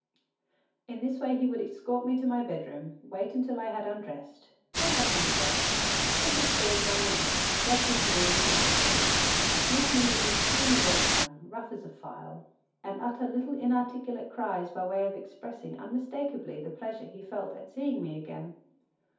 In this way he would escort me to my bedroom, wait until I had undressed, jump up on the bed, put his paws round my neck, rub his nose against mine, lick me with his tiny red tongue, rough as a file, and utter little inarticulate cries by way of expressing unmistakably the pleasure he felt at seeing me again.